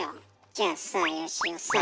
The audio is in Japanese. じゃあさよしおさあ